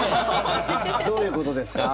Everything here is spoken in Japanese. どういうことですか？